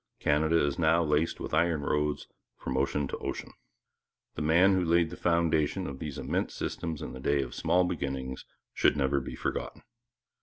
Canada is now laced with iron roads from ocean to ocean. The man who laid the foundation of these immense systems in the day of small beginnings should never be forgotten.